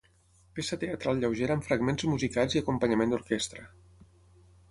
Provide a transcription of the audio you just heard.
Peça teatral lleugera amb fragments musicats i acompanyament d'orquestra.